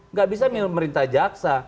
nggak bisa merintah jaksa